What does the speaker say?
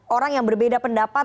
orang yang berbeda pendapat